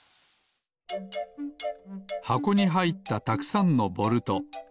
はこにはいったたくさんのボルト。